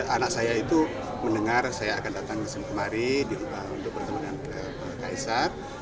anak saya itu mendengar saya akan datang di sintemari untuk bertemu dengan kaisar